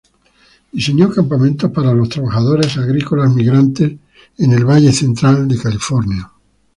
Diseñó campamentos para los trabajadores agrícolas migrantes en el Valle Central de California.